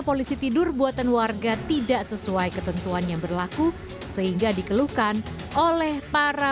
polisi tidur buatan warga tidak sesuai ketentuan yang berlaku sehingga dikeluhkan oleh para